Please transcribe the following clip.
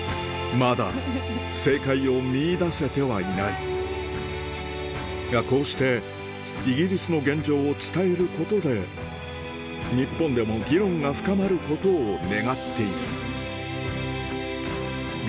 まだ正解を見いだせてはいないがこうしてイギリスの現状を伝えることで日本でも議論が深まることを願っている皆